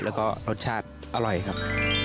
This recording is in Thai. แล้วก็รสชาติอร่อยครับ